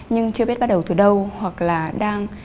nhưng chưa biết bắt đầu từ đâu hoặc là đang